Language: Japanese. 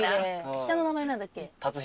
下の名前何だっけ？